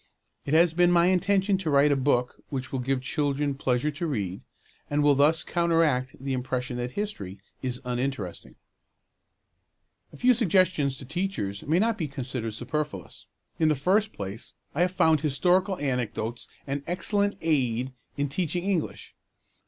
It has been my intention to write a book which will give children pleasure to read, and will thus counteract the impression that history is uninteresting. A few suggestions to teachers may not be considered superfluous. In the first place, I have found historical anecdotes an excellent aid in teaching English.